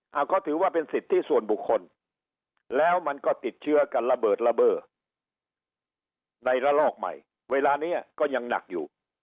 เอาก็ถือว่าเป็นสิทธิส่วนบุคคลแล้วมันก็ติดเชื้อกันระเบิดระเบิดในระลอกใหม่เวลานี้ก็ยังหนักอยู่